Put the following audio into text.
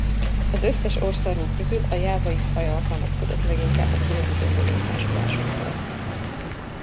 Az összes orrszarvú közül a jávai faj alkalmazkodott leginkább a különböző növénytársulásokhoz.